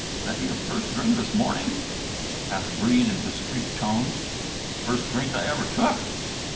"That your first drink s'morning?" asked Breede in discreet tones. "First drink I ever took.